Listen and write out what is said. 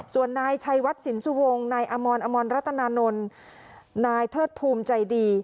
ส่วนนายชัยวัดสินสุวงศ์นายอมรอมรรัตนานนท์นายเทิดภูมิใจดี